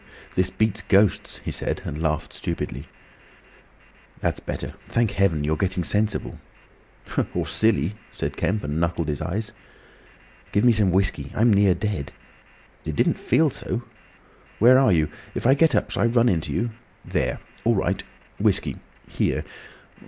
"This beats ghosts," he said, and laughed stupidly. "That's better. Thank Heaven, you're getting sensible!" "Or silly," said Kemp, and knuckled his eyes. "Give me some whiskey. I'm near dead." "It didn't feel so. Where are you? If I get up shall I run into you? There! all right. Whiskey? Here.